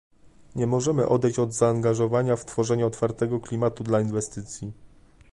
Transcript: Nie możemy odejść od zaangażowania w tworzenie otwartego klimatu dla inwestycji